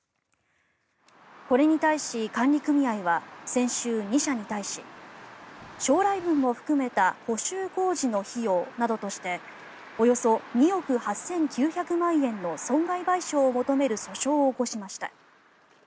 これに対し管理組合は先週、２社に対し将来分も含めた補修工事の費用などとしておよそ２億８９００万円の損害賠償を求める訴訟を起こしました。